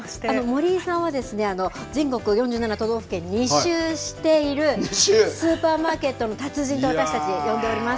森井さんは全国４７都道府県２周している、スーパーマーケットの達人と私たち、呼んでおります。